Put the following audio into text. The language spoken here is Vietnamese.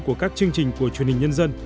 của các chương trình của truyền hình nhân dân